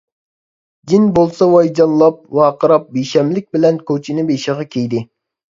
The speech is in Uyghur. جىن بولسا ۋايجانلاپ، ۋارقىراپ بىشەملىك بىلەن كوچىنى بېشىغا كىيدى.